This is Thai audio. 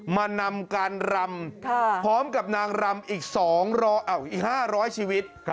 นำการรำพร้อมกับนางรำอีก๕๐๐ชีวิต